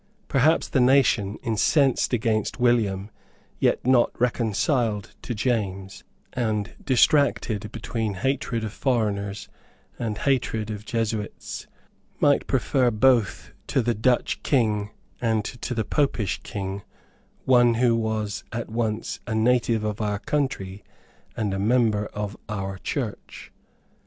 Perhaps the nation, incensed against William, yet not reconciled to James, and distracted between hatred of foreigners and hatred of Jesuits, might prefer both to the Dutch King and to the Popish King one who was at once a native of our country and a member of our Church.